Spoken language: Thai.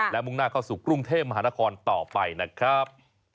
และมุ่งหน้าเข้าสู่กรุงเทพมหานครต่อไปนะครับ